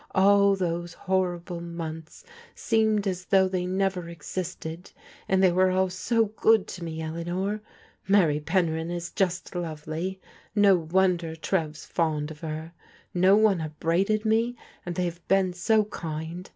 All those horrible months seemed as though they never existed, and they were all so good to me, Eleanor. Mary Penryn is just lovely — no wonder Trev's fond of her. No one upbraided me, and they have been so kind.